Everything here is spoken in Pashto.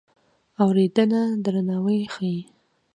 اورېدنه درناوی ښيي.